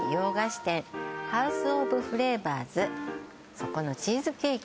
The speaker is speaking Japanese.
そこのチーズケーキ